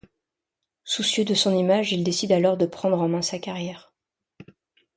Soucieux de son image, il décide alors de prendre en main sa carrière.